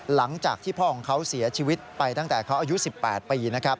หลังจากที่พ่อของเขาเสียชีวิตไปตั้งแต่เขาอายุ๑๘ปีนะครับ